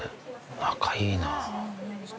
仲いいな。